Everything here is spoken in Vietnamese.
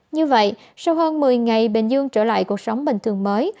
như vậy sau hơn một mươi ngày bình dương trở lại cuộc sống bình thường mới